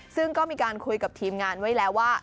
ซึ่งก็มีการคุยกับทีมงานไว้แล้วว่า